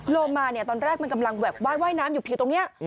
โลมาเนี่ยตอนแรกมันกำลังแว่นว่ายน้ำอยู่ทีละเนี่ย